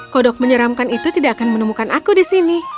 kodok menyeramkan itu tidak akan menemukan aku di sini